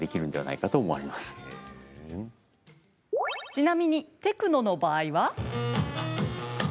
ちなみにテクノの場合は？